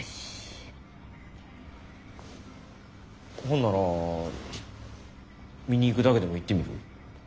ほんなら見に行くだけでも行ってみる？